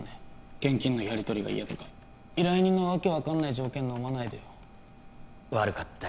現金のやりとりが嫌とか依頼人の訳分かんない条件のまないでよ悪かったよ